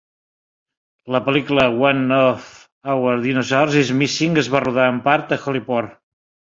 La pel·lícula "One of Our Dinosaurs Is Missing" es va rodar, en part, a Holyport.